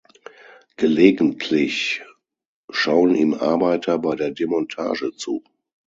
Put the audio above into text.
Gelegentlich schauen ihm Arbeiter bei der Demontage zu.